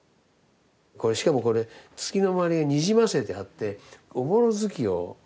しかもこれ月の周りがにじませてあっておぼろ月夜なんですね。